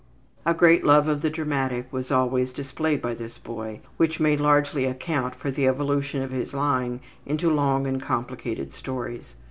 A great love of the dramatic was always displayed by this boy, which may largely account for the evolution of his lying into long and complicated stories.